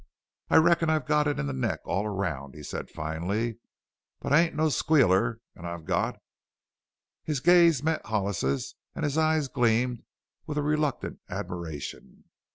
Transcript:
"I reckon I've got it in the neck all around," he said finally. "But I ain't no squealer and I've got " His gaze met Hollis's and his eyes gleamed with a reluctant admiration.